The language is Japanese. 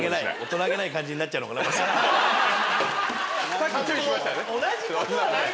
さっき注意しましたよね。